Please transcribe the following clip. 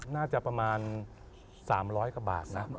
น่าจะประมาณ๓๐๐กระบาด